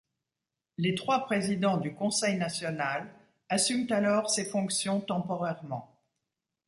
Les trois présidents du Conseil national assument alors ses fonctions temporairement.